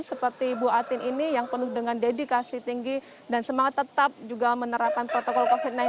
seperti bu atin ini yang penuh dengan dedikasi tinggi dan semangat tetap juga menerapkan protokol covid sembilan belas